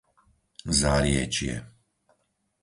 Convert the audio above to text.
Záriečie